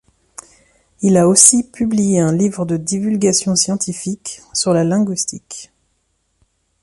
Il a aussi publié un livre de divulgation scientifique sur la linguistique.